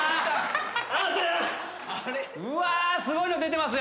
うわすごいの出てますよ。